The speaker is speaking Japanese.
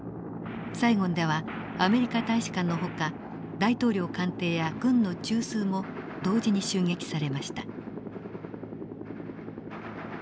サイゴンではアメリカ大使館のほか大統領官邸や軍の中枢も同時に襲撃されました。